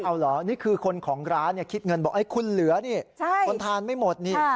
เอาเหรอนี่คือคนของร้านคิดเงินบอกคุณเหลือนี่คนทานไม่หมดนี่